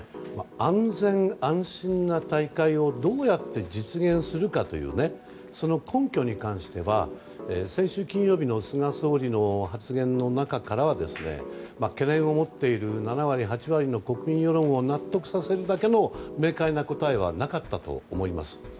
安全・安心な大会をどうやって実現するかというその根拠に関しては先週金曜日の菅総理の発言の中からは懸念を持っている７割、８割の国民世論を納得させるだけの明快な答えはなかったと思います。